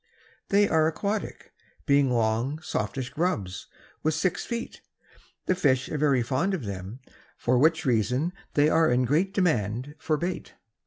They are aquatic, being long, softish grubs, with six feet. The fish are very fond of them, for which reason they are in great demand for bait.